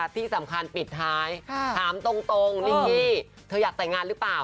ที่สำคัญปิดท้ายถามตรงนี่เธออยากแต่งงานหรือเปล่า